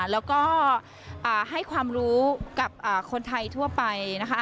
แล้วก็ให้ความรู้กับคนไทยทั่วไปนะคะ